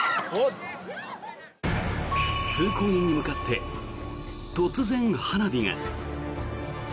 通行人に向かって突然、花火が。